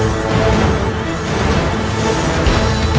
jika kita tidak masukan